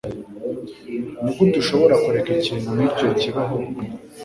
Nigute ushobora kureka ikintu nkicyo kibaho?